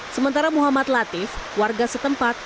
sementara muhammad latif warga setempat